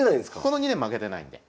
この２年負けてないんで。